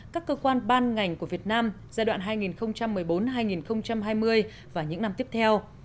các cơ quan ban ngành của việt nam giai đoạn hai nghìn một mươi bốn hai nghìn hai mươi và những năm tiếp theo